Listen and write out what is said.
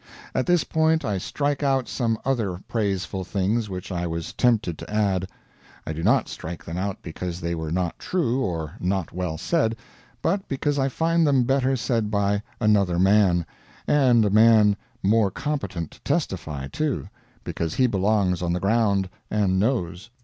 At this point I strike out some other praiseful things which I was tempted to add. I do not strike them out because they were not true or not well said, but because I find them better said by another man and a man more competent to testify, too, because he belongs on the ground, and knows.